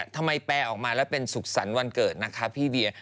แปลออกมาแล้วเป็นสุขสรรค์วันเกิดนะคะพี่เวีย